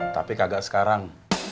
tapi kagak sekarang